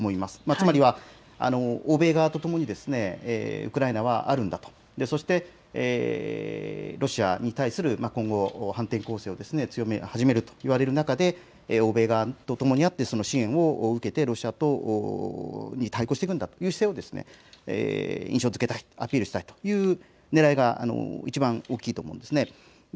つまりは欧米側とともにウクライナはあるんだと、そしてロシアに対する今後、反転攻勢を強め始めるといわれる中で欧米側とともにあって支援を受けてロシアに対抗していくんだという姿勢を印象づけたいアピールしたいというねらいがいちばん大きいと思うんですね。